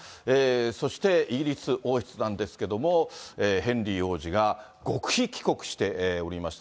そして、イギリス王室なんですけども、ヘンリー王子が極秘帰国しておりました。